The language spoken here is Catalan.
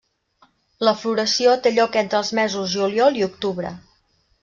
La floració té lloc entre els mesos juliol i octubre.